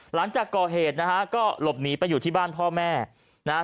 หลังจากก่อเหตุนะฮะก็หลบหนีไปอยู่ที่บ้านพ่อแม่นะฮะ